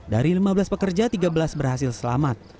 dari lima belas pekerja tiga belas berhasil selamat